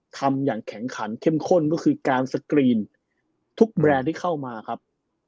ทำอย่างแข็งขันเข้มข้นก็คือการสกรีนทุกแบรนด์ที่เข้ามาครับ